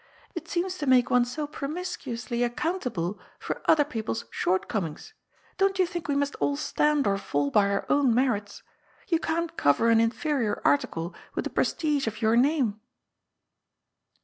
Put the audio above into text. It seems to make one so promiscuously accountable for other people's shortcomings. Don't you think we must all stand or fall by our own merits ? You can't coyer an inferior article with the prestige of your name